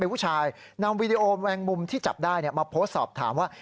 ผู้ชายนำวีดีโอแมงมุมที่จับได้มาโพสต์สอบถามว่า